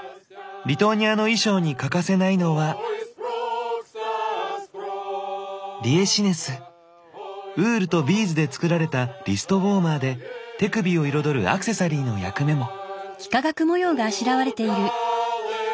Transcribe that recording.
リトアニアの衣装に欠かせないのはウールとビーズで作られたリストウォーマーで手首を彩るアクセサリーの役目も。